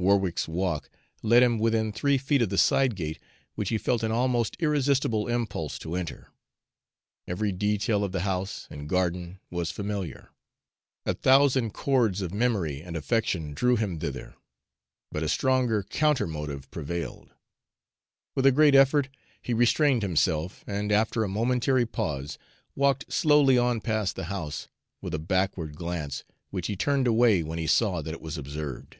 Warwick's walk led him within three feet of the side gate, which he felt an almost irresistible impulse to enter. Every detail of the house and garden was familiar; a thousand cords of memory and affection drew him thither; but a stronger counter motive prevailed. With a great effort he restrained himself, and after a momentary pause, walked slowly on past the house, with a backward glance, which he turned away when he saw that it was observed.